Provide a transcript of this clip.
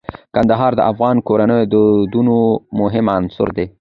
کندهار د افغان کورنیو د دودونو مهم عنصر دی.